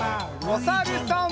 おさるさん。